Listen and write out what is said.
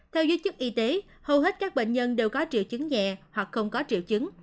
theo giới chức y tế hầu hết các bệnh nhân đều có triệu chứng nhẹ hoặc không có triệu chứng